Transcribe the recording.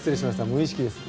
無意識です。